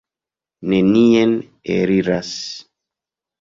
Nenien eliras.